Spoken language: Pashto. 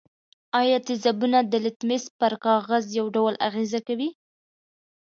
آیا تیزابونه د لتمس پر کاغذ یو ډول اغیزه کوي؟